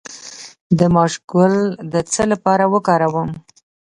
د ماش ګل د څه لپاره وکاروم؟